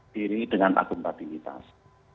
diri dengan akuntabilitas